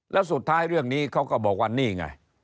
แล้วสุดท้ายเรื่องนี้เขาก็บอกว่านี่ไง